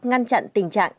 ngăn chặn tình trạng